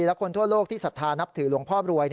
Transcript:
และคนทั่วโลกที่ศรัทธานับถือหลวงพ่อบรวย